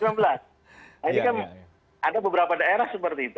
nah ini kan ada beberapa daerah seperti itu